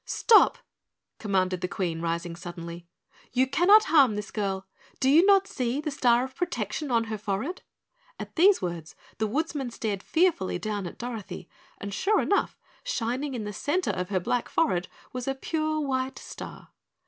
"Stop!" commanded the Queen, rising suddenly. "You cannot harm this girl. Do you not see the star of protection on her forehead?" At these words the woodsmen stared fearfully down at Dorothy, and sure enough, shining in the center of her black forehead was a pure white star.